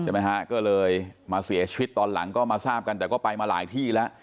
ฮะก็เลยมาเสียชีวิตตอนหลังก็มาทราบกันแต่ก็ไปมาหลายที่แล้ว